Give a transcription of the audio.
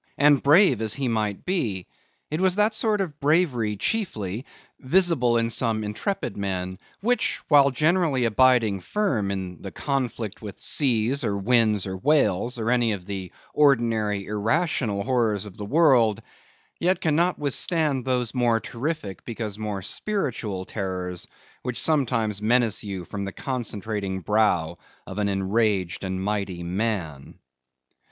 And brave as he might be, it was that sort of bravery chiefly, visible in some intrepid men, which, while generally abiding firm in the conflict with seas, or winds, or whales, or any of the ordinary irrational horrors of the world, yet cannot withstand those more terrific, because more spiritual terrors, which sometimes menace you from the concentrating brow of an enraged and mighty man.